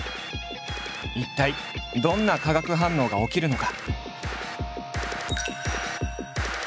一体どんな化学反応が起きるのか？